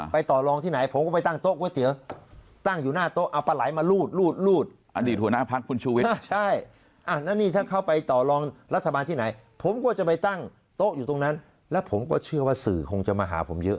ไปต่อรองที่ไหนผมก็ไปตั้งโต๊ะกล้วยเตี๋ยตั้งอยู่หน้าโต๊ะเอา